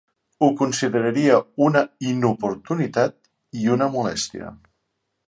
Ho consideraria una inoportunitat i una molèstia.